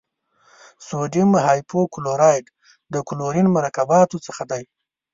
سوډیم هایپو کلورایټ د کلورین مرکباتو څخه دی.